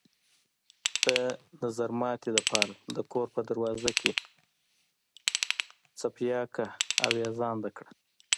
د نظرماتي د پاره د كور په دروازه کښې څپياكه اوېزانده کړه۔